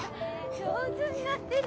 上手になってる！